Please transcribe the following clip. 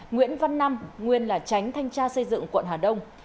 nguyễn văn năm nguyên là tránh thanh tra xây dựng quận hà đông